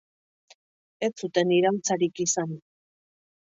Ez zuten iraultzarik izan.